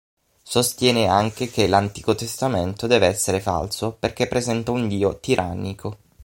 Sostiene anche che l'Antico Testamento deve essere falso, perché presenta un Dio tirannico.